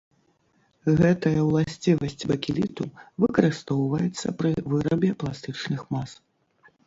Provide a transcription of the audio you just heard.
Гэтая ўласцівасць бакеліту выкарыстоўваецца пры вырабе пластычных мас.